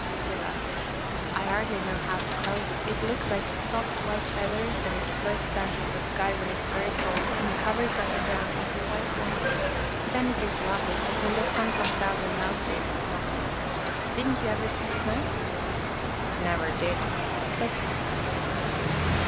she laughed. " I hardly know how to tell you. It looks like soft, white feathers and it floats down from the sky when it's very cold and covers up the ground like a white blanket. Then it is lovely, but when the sun comes out and melts it, it's not nice. Didn't you ever see snow? "" Never did," said Kadok.